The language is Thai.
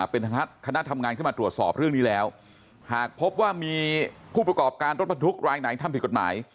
เป็นคณะทำงานขึ้นมาตรวจสอบเรื่องนี้แล้วหากพบว่ามีผู้ประกอบการรถบรรทุกรายไหนทำผิดกฎหมาย